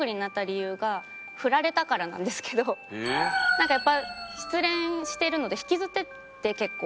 なんかやっぱ失恋してるので引きずってて結構。